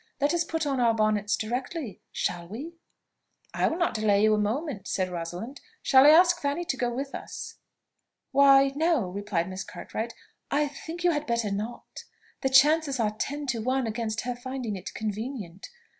Let us put on our bonnets directly; shall we?" "I will not delay you a moment," said Rosalind. "Shall I ask Fanny to go with us?" "Why no," replied Miss Cartwright; "I think you had better not; the chances are ten to one against her finding it convenient.